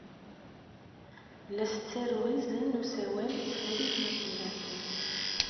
La as-ttaruɣ izen n usawal i Farid n At Yiraten.